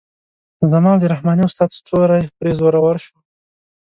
زما او د رحماني استاد ستوری پرې زورور شو.